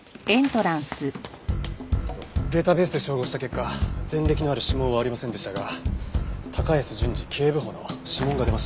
データベースで照合した結果前歴のある指紋はありませんでしたが高安順二警部補の指紋が出ました。